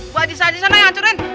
buah haji haji sana yang hancurin